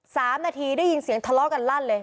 สามนาทีได้ยินเสียงทะเลาะกันลั่นเลย